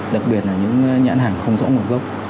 đặc biệt là những nhãn hàng không rõ nguồn gốc